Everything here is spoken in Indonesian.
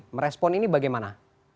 merespon ini bagaimana